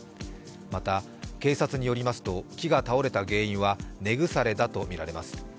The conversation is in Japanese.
また、警察によりますと、木が倒れた原因は根腐れだとみられます。